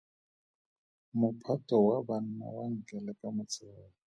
Mophato wa banna wa nkeleka motshegare.